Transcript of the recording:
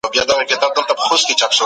تاسي په خپلو خبرو کي نرمي کاروئ.